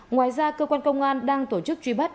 ngoài ra cơ quan công an đang tổ chức truy bắt